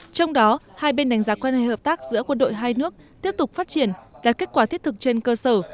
trong đó hai bên đánh giá quan hệ hợp tác giữa quân đội hai nước tiếp tục phát triển đạt kết quả thiết thực trên cơ sở